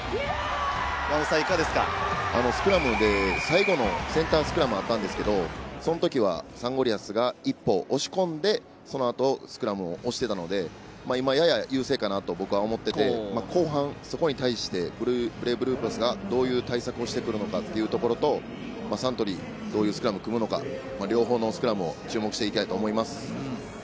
スクラムで最後のセンタースクラムがあったんですけれど、その時はサンゴリアスが一歩押し込んで、そのあとスクラムを押していたので、今、やや優勢かなと僕は思っていて、後半、そこに対してブレイブルーパスがどういう対策をしてくるのか、サントリーはどういうスクラムを組むのか、両方のスクラムを注目していきたいと思います。